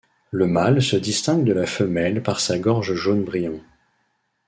Le mâle se distingue de la femelle par sa gorge jaune brillant.